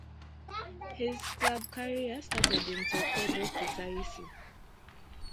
His club career started in Torpedo Kutaisi.